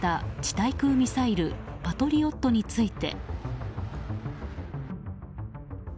対空ミサイルパトリオットについて。